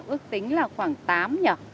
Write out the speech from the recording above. ước tính là khoảng tám nhỉ